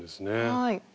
はい。